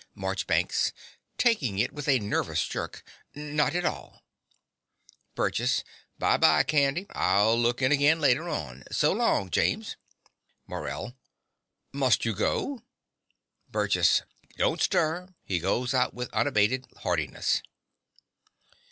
MARCHBANKS (taking it with a nervous jerk). Not at all. BURGESS. Bye, bye, Candy. I'll look in again later on. So long, James. MORELL. Must you go? BURGESS. Don't stir. (He goes out with unabated heartiness.)